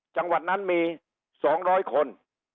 จังหวัดนั้นมี๒๐๐คน